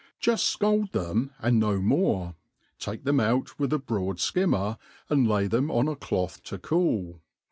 Juft fcald them, and BO more, take themi out with a broad &immer, and lay them im a cloth to cogi.